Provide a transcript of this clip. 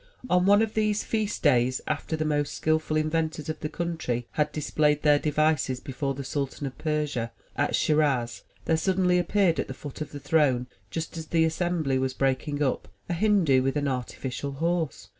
On one of these feast days, after the most skillful inventors of the country had displayed their devices before the Sultan of Persia at Schiraz, there suddenly appeared at the foot of the throne, just as the assembly was breaking up, a Hindu with an artificial horse.